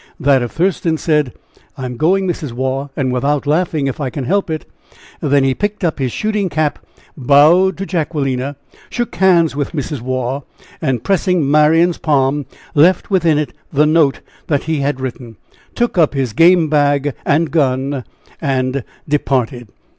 That of Thurston said: "I am going, Mrs. Waugh, and without laughing, if I can help it." Then he picked up his shooting cap, bowed to Jacquelina, shook hands with Mrs. Waugh, and pressing Marian's palm, left within it the note that he had written, took up his game bag and gun, and departed.